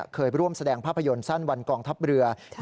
เคยร่วมแสดงภาพยนตร์สั้นวันกองทัพเรือ